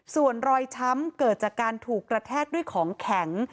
ส่วนรอยช้ำเกิดจากการถูกกระแทกด้วยของแข็ง